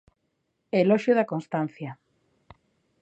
Eloxio da constancia.